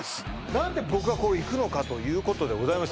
何で僕がこう行くのかということでございます